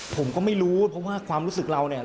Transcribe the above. ผมก็ไม่รู้เพราะว่าความรู้สึกเราเนี่ย